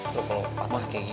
lo kalau patah kayak gini